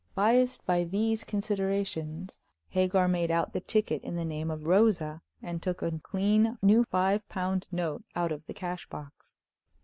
Biased by these considerations, Hagar made out the ticket in the name Rosa, and took a clean new five pound note out of the cash box.